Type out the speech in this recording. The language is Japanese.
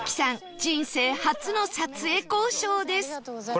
人生初の撮影交渉です